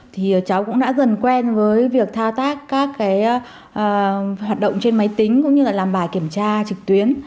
thì cháu cũng đã dần quen với việc thao tác các hoạt động trên máy tính cũng như là làm bài kiểm tra trực tuyến